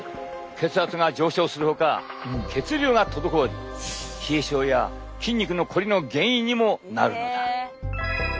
血圧が上昇するほか血流が滞り冷え症や筋肉のコリの原因にもなるのだ。